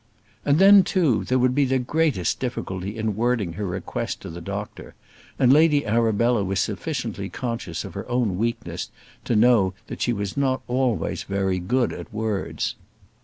And then, too, there would be the greatest difficulty in wording her request to the doctor; and Lady Arabella was sufficiently conscious of her own weakness to know that she was not always very good at words.